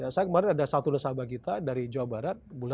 saya kemarin ada satu nasabah kita dari jawa barat